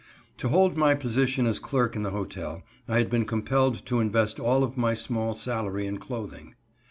To hold my position as clerk in the hotel I had been compelled to invest all of my small salary in clothing.